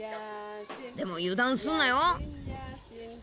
でも油断すんなよ。